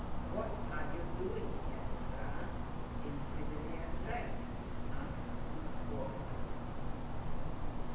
"What are you doing here, sir, in civilian dress?" asked a deep voice.